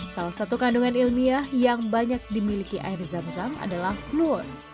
salah satu kandungan ilmiah yang banyak dimiliki air zam zam adalah fluor